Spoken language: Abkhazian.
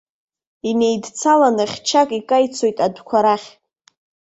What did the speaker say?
Инеидцаланы хьчак икаицоит адәқәа рахь.